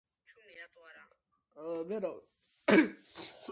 მთავარ როლებში არიან ეშლი ჯადი და ჯეფრი დონოვანი.